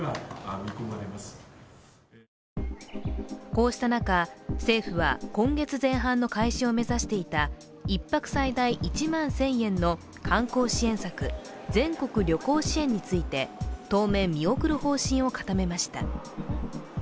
こうした中、政府は今月前半の開始を目指していた１泊最大１万１０００円の観光支援策、全国旅行支援について、当面見送る方針を固めました。